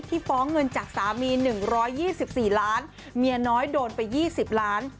ฟ้องเงินจากสามี๑๒๔ล้านเมียน้อยโดนไป๒๐ล้าน